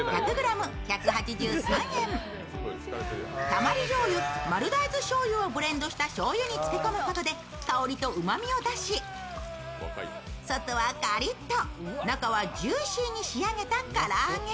たまりじょうゆ、丸大豆しょうゆをブレンドしたしょうゆに漬け込むことで、香りとうまみを出し外はカリッと中はジューシーに仕上げた唐揚げ。